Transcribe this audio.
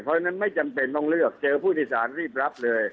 เพราะฉะนั้นไม่จำเป็นต้องเลือกเจอผู้โดยสารรีบรับเลย